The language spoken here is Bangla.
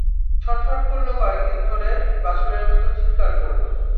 ছটফট করলো কয়েকদিন ধরে, বাছুরের মতো চিৎকার করলো।